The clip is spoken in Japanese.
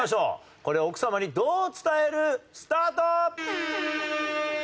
これ奥さまにどう伝える？スタート！